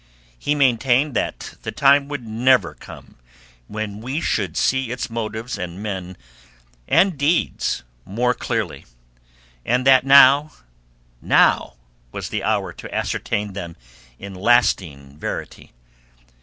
He maintained that the time would never come when we should see its motives and men and deeds more clearly, and that now, now, was the hour to ascertain them in lasting verity.